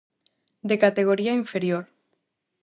De categoría inferior.